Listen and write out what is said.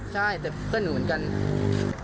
ใช่แต่เพื่อนหนูเหมือนกัน